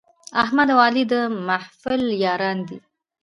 احمد او علي د محفل یاران دي.